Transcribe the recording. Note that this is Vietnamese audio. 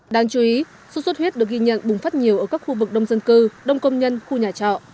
đáng chú ý sốt xuất huyết được ghi nhận bùng phát nhiều ở các khu vực đông dân cư đông công nhân khu nhà trọ